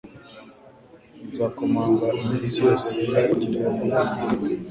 nzakomanga iminsi yose ngereyo mubwire